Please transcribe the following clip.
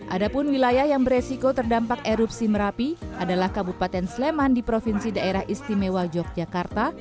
ada pun wilayah yang beresiko terdampak erupsi merapi adalah kabupaten sleman di provinsi daerah istimewa yogyakarta